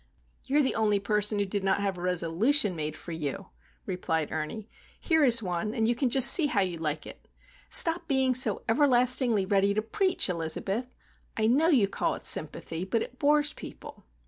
"You are the only person who did not have a resolution made for you," replied Ernie. "Here is one,—and you can just see how you like it! Stop being so everlastingly ready to preach, Elizabeth. I know you call it 'sympathy,' but it bores people."